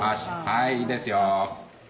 はいいいですよ。